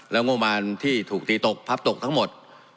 แล้วโงมันที่ถูกตีตกพับตกทั้งหมด